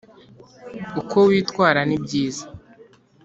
uko witwara nibyiza.